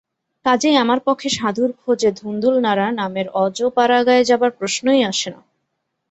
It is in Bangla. কাজেই আমার পক্ষে সাধুর খোঁজে ধুন্দুল নাড়া নামের অজ পাড়াগায় যাবার প্রশ্নই আসে না।